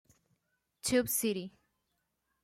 Tube City!